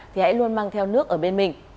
thì hãy luôn mang theo nước ở bên mình